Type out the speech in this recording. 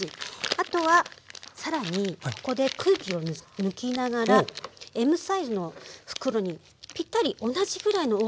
あとは更にここで空気を抜きながらＭサイズの袋にぴったり同じぐらいの大きさなので押していきます。